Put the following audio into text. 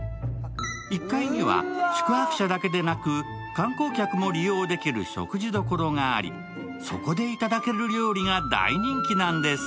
１階には宿泊者だけでなく観光客も利用できる食事どころがありそこでいただける料理が大人気なんです。